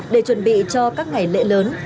để chuẩn bị cho các ngày lễ lớn